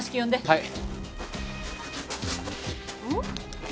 はい。